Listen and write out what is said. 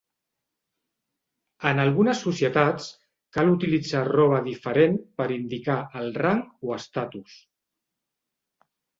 Ena algunes societats, cal utilitzar roba diferent per indicar el rang o estatus.